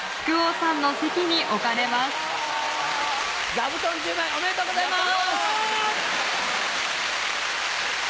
座布団１０枚おめでとうございます！